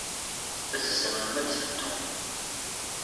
Tzemrem ad teddum.